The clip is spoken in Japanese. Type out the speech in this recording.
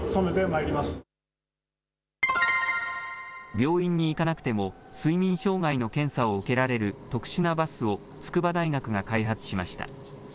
病院に行かなくても睡眠障害の検査を受けられる特殊なバスを筑波大学が開発しました。